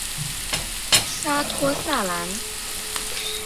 沙托萨兰。